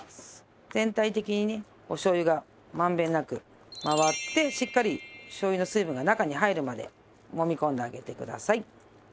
全体的にねお醤油がまんべんなく回ってしっかり醤油の水分が中に入るまでもみこんであげてください。